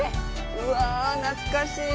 うわあ、懐かしい！